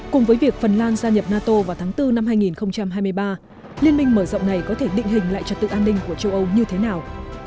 cùng với việc phần lan gia nhập nato vào tháng bốn năm hai nghìn hai mươi ba liên minh mở rộng này có thể định hình lại trật tự an ninh của châu âu như thế nào